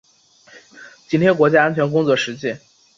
紧贴国家安全工作实际